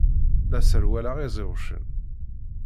La sserwaleɣ iẓiwcen.